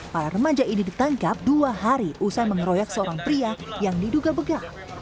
para remaja ini ditangkap dua hari usai mengeroyok seorang pria yang diduga begal